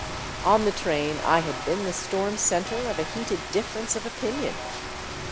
On the train I had been the storm center of a heated difference of opinion.